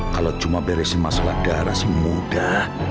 kalau cuma beresin masalah darah sih mudah